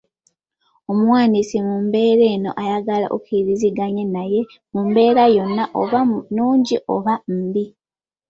Omuwandiisi mu mbeera eno ayagala okkiriziganye naye mu mbeera yonna oba nnungi oba mbi.